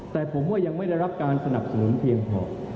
แต่ผมว่ายังไม่ได้รับการสนับสนุนเพียงพอ